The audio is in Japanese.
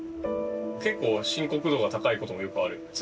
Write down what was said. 結構深刻度が高いこともよくあるよね。